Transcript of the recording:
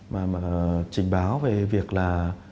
mà trình báo về việc là